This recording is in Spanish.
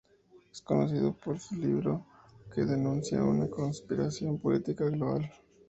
Es conocido por su libro que denuncia una conspiración política global.